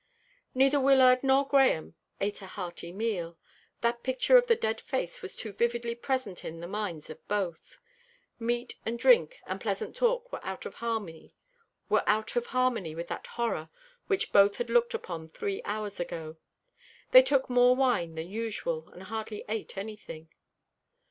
Neither Wyllard nor Grahame ate a hearty meal. That picture of the dead face was too vividly present in the minds of both. Meat and drink and pleasant talk were out of harmony with that horror which both had looked upon three hours ago. They took more wine than usual, and hardly ate anything.